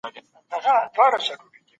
په کورنۍ کې د ماشوم احساسات.